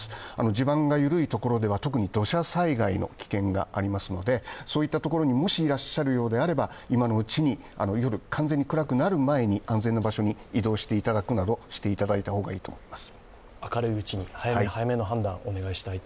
地盤が緩いところでは特に土砂災害の危険がありますのでそういったところにもしいらっしゃるようであれば、今のうちに、夜、完全に暗くなる前に安全な場所に移動してもらった方がいいと思います。